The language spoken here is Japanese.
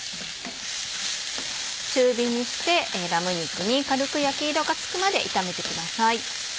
中火にしてラム肉に軽く焼き色がつくまで炒めてください。